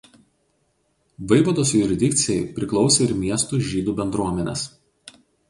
Vaivados jurisdikcijai priklausė ir miestų žydų bendruomenės.